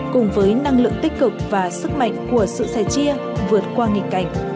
cùng với năng lượng tích cực và sức mạnh của sự sẻ chia vượt qua nghịch cảnh